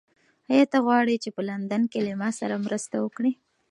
ایا ته غواړې چې په لندن کې له ما سره مرسته وکړې؟